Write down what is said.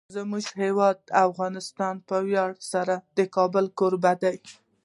زموږ هیواد افغانستان په ویاړ سره د کابل کوربه دی.